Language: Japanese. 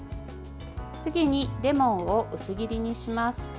次にレモンを薄切りにします。